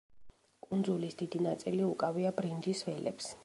კუნძულის დიდი ნაწილი უკავია ბრინჯის ველებს.